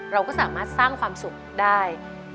เราก็สามารถสร้างความสุขได้